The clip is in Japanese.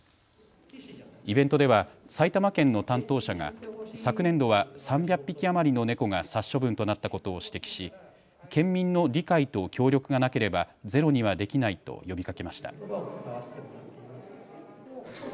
イベントでは埼玉県の担当者が昨年度は３００匹余りの猫が殺処分となったことを指摘し県民の理解と協力がなければゼロにはできないと呼びかけました。